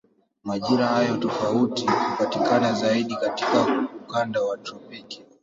Majira hayo tofauti hupatikana zaidi katika ukanda wa tropiki.